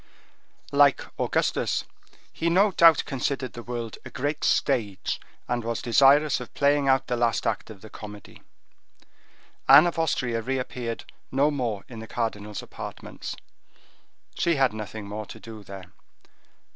Like Augustus, he no doubt considered the world a great stage, and was desirous of playing out the last act of the comedy. Anne of Austria reappeared no more in the cardinal's apartments; she had nothing more to do there.